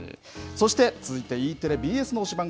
そして、続いてＥテレ、ＢＳの推しバン！